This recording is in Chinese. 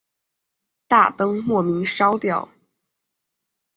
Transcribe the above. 大灯莫名烧掉